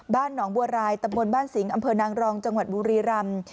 บ้านหนองบัวรายตำบลบ้านสิงห์อำเภอนางรองจังหวัดบุรีรำ